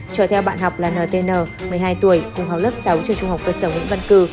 chở theo bạn học là ntn một mươi hai tuổi cùng học lớp sáu trường trung học cơ sở nguyễn văn cử